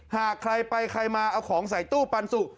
หากใครไปใครมาเอาของใส่ตู้ปันสุก